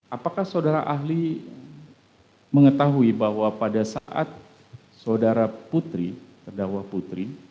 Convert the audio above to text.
apakah saudara ahli mengetahui bahwa pada saat saudara putri terdakwa putri